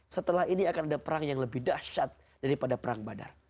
setelah ini akan ada perang yang lebih dahsyat daripada perang badar